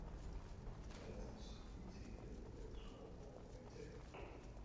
Zertaz hitz egiten dute disko honetako hitzek?